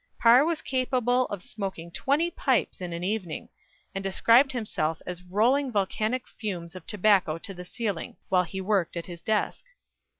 Parr was capable of smoking twenty pipes in an evening, and described himself as "rolling volcanic fumes of tobacco to the ceiling" while he worked at his desk.